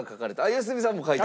良純さんも書いた？